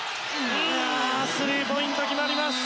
スリーポイント決まります。